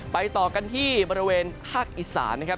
ต่อกันที่บริเวณภาคอีสานนะครับ